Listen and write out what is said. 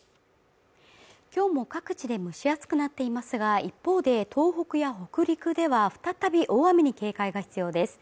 今日も各地で蒸し暑くなっていますが一方で東北や北陸では再び大雨に警戒が必要です。